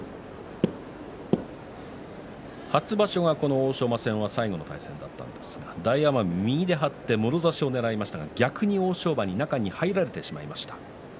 初場所、欧勝馬戦最後の対戦でしたが、大奄美右で張ってもろ差しをねらっていき、逆に欧勝馬に中に入られてしまいました。